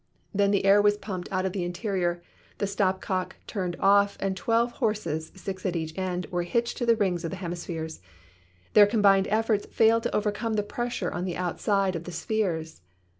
Then the air was pumped out of the interior, the stop cock turned off and twelve horses, six at each end, were hitched to the rings in the hemispheres. Their combined efforts failed to overcome the pressure on the outside of the spheres.